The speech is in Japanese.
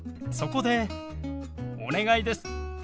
そこでお願いです。